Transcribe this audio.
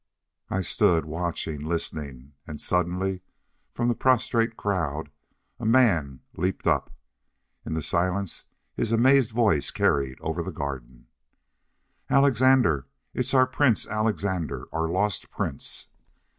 I stood watching, listening. And suddenly, from the prostrate crowd, a man leaped up. In the silence his amazed voice carried over the garden. "Alexandre! It is our Prince Alexandre! Our lost prince!"